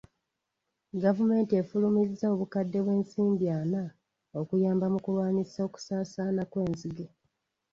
Gavumenti efulumizza obukadde bw'ensimbi ana okuyamba mu kulwanyisa okusaasaana kw'enzige.